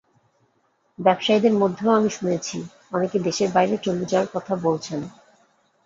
ব্যবসায়ীদের মধ্যেও আমি শুনেছি, অনেকে দেশের বাইরে চলে যাওয়ার কথা বলছেন।